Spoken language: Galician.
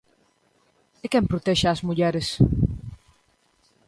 E quen protexe as mulleres?